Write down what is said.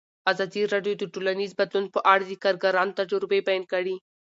ازادي راډیو د ټولنیز بدلون په اړه د کارګرانو تجربې بیان کړي.